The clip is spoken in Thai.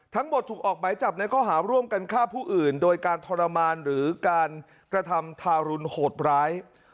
ทั้งหมดถูกออกหมายจับในข้อหาร่วมกันฆ่าผู้อื่นโดยการทรมานหรือการกระทำทารุณโหดร้าย